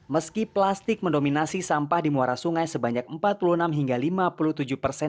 meski plastik mendominasi sampah di muara sungai sebanyak empat puluh enam hingga lima puluh tujuh persen